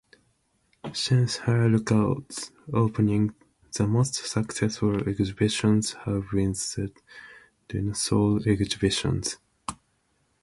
Since Heureka's opening, the most successful exhibitions have been the dinosaur exhibitions.